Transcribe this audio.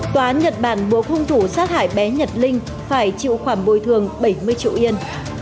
tòa án nhật bản buộc hung thủ sát hại bé nhật linh phải chịu khoản bồi thường bảy mươi triệu yên